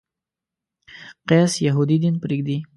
قیس یهودي دین پرېږدي.